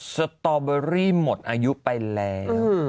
สตอเบอรี่หมดอายุไปแล้ว